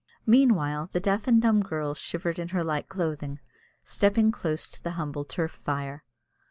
Meanwhile, the deaf and dumb girl shivered in her light clothing, stepping close to the humble turf fire.